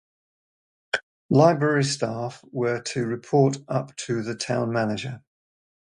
Library staff were to report up to the town manager.